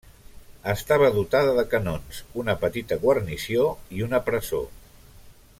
Estava dotada de canons, una petita guarnició i una presó.